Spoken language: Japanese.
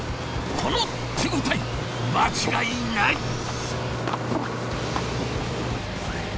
この手応え間違いない！